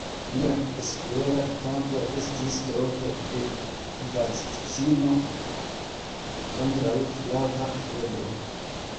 Lia esplora kampo estis trovo de vakcino kontraŭ flava febro.